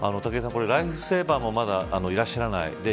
これ、ライフセーバーもまだいらっしゃらない。